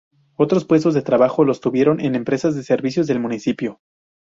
Otros puestos de trabajo los obtuvieron en empresas de servicios del municipio.